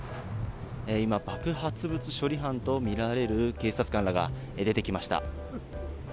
今爆発物処理班とみられる警察官らが出てきました。